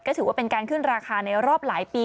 ก็ถือว่าเป็นการขึ้นราคาในรอบหลายปี